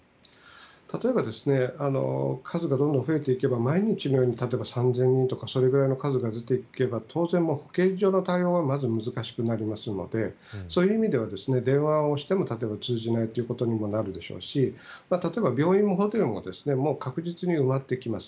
例えば数がどんどん増えていけば毎日のように３０００人とかそのくらいの数がずっと出ていけば保健所の対応はまず難しくなりますのでそういう意味では電話をしても通じない状態になるでしょうし病院もホテルも確実に埋まっていきます。